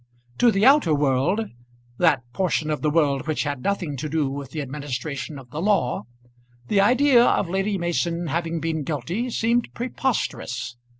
To the outer world, that portion of the world which had nothing to do with the administration of the law, the idea of Lady Mason having been guilty seemed preposterous.